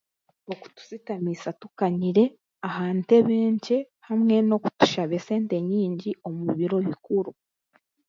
Okutushitamiisa tukanyire aha ntebe nkye hamwe n'okutushaaba sente nyingi omu biro bikuru.